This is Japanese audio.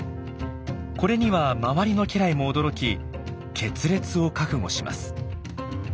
これには周りの家来も驚き決裂を覚悟します。